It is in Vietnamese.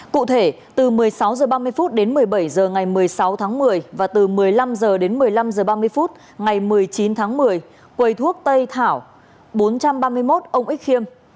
cụ thể từ một mươi sáu h ba mươi đến một mươi bảy h ngày một mươi sáu tháng một mươi và từ một mươi năm h đến một mươi năm h ba mươi phút ngày một mươi chín tháng một mươi quầy thuốc tây thảo bốn trăm ba mươi một ông ích khiêm